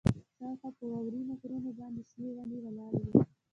شاوخوا په واورینو غرونو باندې شنې ونې ولاړې وې